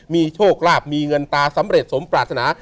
มีโชคลาภมีเงินตาสำเร็จสมปรารถนา